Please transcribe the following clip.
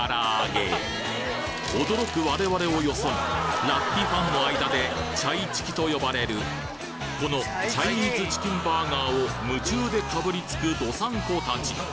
驚く我々をよそにラッピファンの間でチャイチキと呼ばれるこのチャイニーズチキンバーガーを夢中でかぶりつく道産子達